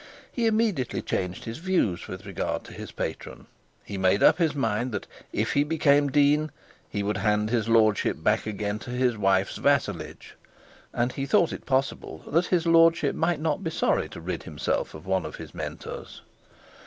He immediately changed his views with regard to his patron; he made up his mind that if he became dean, he would hand his lordship back to his wife's vassalage; and he thought it possible that his lordship might not be sorry to rid himself of one of his mentors.